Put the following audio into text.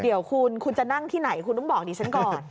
เดี๋ยวคุณคุณจะนั่งที่ไหนคุณต้องบอกดิฉันก่อน